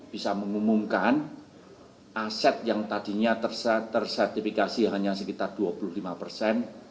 bisa mengumumkan aset yang tadinya tersertifikasi hanya sekitar dua puluh lima persen